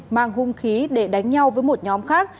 mang hung khí để đánh nhau với một nhóm khác